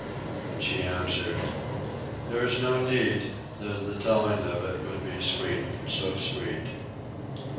And she answered, "There is no need, though the telling of it would be sweet, so sweet."